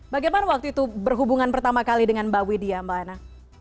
bagaimana waktu itu berhubungan pertama kali dengan mbak widya mbak anna